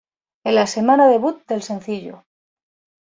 En la semana debut del sencillo.